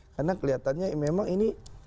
karena kelihatannya memang ini